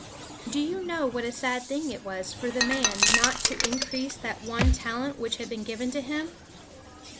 Do you know what a sad thing it was for the man not to increase that one talent which had been given to him?